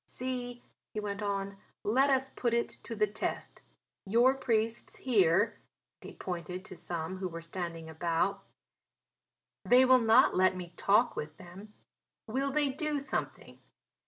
See," he went on, "let us put it to the test. Your priests here," and he pointed to some who were standing about, "they will not let me talk with them; will they do something.